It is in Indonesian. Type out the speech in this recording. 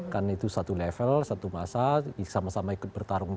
kan itu satu level satu masa sama sama ikut bertarung